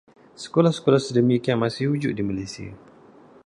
Sekolah-sekolah sedemikian masih wujud di Malaysia.